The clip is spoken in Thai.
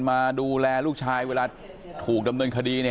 มาดูแลลูกชายเวลาถูกดำเนินคดี